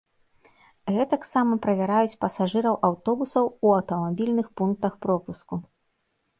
Гэтаксама правяраюць пасажыраў аўтобусаў у аўтамабільных пунктах пропуску.